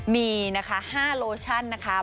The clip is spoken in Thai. มีนะคะ๕โลชั่นนะคะ